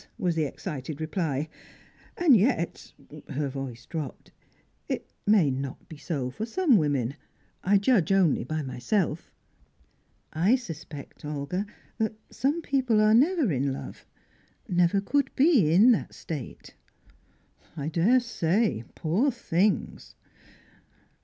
was the excited reply. "And yet" her voice dropped "it may not be so for some women. I judge only by myself." "I suspect, Olga, that some people are never in love never could be in that state." "I daresay, poor things!"